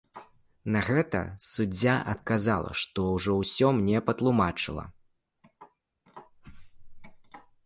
На гэта суддзя адказала, што ўжо ўсё мне патлумачыла.